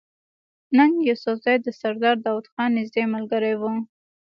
ننګ يوسفزۍ د سردار داود خان نزدې ملګری وو